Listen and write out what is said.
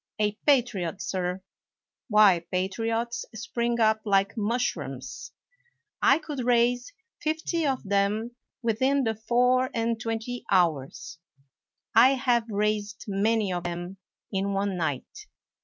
A patriot, sir! Why, patriots spring up like mushrooms! I 155 THE WORLD'S FAMOUS ORATIONS could raise fifty of them within the four and twenty hours. I have raised many of them in one night.